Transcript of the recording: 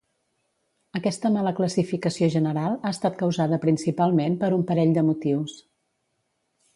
Aquesta mala classificació general ha estat causada principalment per un parell de motius.